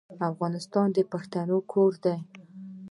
افغانستان د پښتنو کور دی.